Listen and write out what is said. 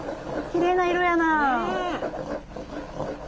きれいな色やなあ。